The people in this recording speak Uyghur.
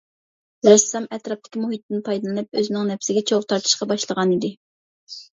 رەسسام ئەتراپتىكى مۇھىتتىن پايدىلىنىپ ئۆزىنىڭ نەپسىگە چوغ تارتىشقا باشلىغانىدى.